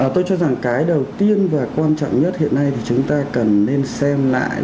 tôi cho rằng cái đầu tiên và quan trọng nhất hiện nay thì chúng ta cần nên xem lại